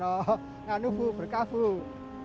saya sudah berusia lima belas tahun